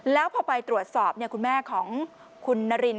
แล้วพอไปตรวจสอบคุณแม่ของคุณนาริน